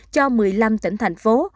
cho một mươi năm tỉnh thành phố